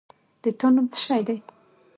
د تا نوم څه شی ده؟